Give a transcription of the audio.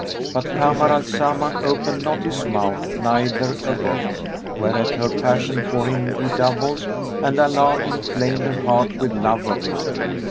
But Kamar al Zaman opened not his mouth neither awoke, whereat her passion for him redoubled and Allah inflamed her heart with love of him.